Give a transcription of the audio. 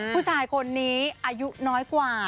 ผู้ชายคนนี้อายุน้อยกว่า